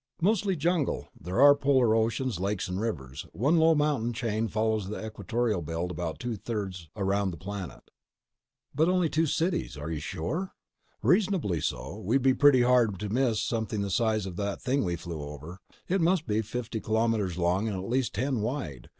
"Mostly jungle. There are polar oceans, lakes and rivers. One low mountain chain follows the equatorial belt about two thirds around the planet." "But only two cities. Are you sure?" "Reasonably so. It'd be pretty hard to miss something the size of that thing we flew over. It must be fifty kilometers long and at least ten wide.